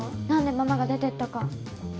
なんでママが出てったか。